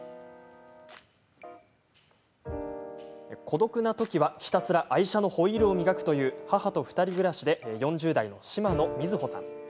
孤独なときは、ひたすら愛車のホイールを磨くという母と２人暮らしで４０代の嶋野みずほさん。